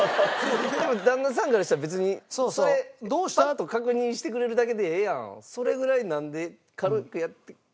でも旦那さんからしたら別にそれパッと確認してくれるだけでええやんそれぐらいなんで軽くやってくれへんねん。